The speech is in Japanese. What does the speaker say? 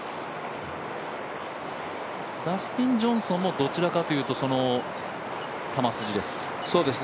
ダスティン・ジョンソンもどちらかというとその球筋です。